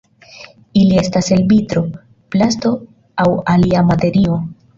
Ili estas el vitro, plasto, aŭ alia materio.